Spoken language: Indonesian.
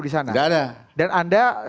disana enggak ada